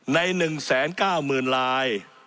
ใน๑แสน๙หมื่นลาย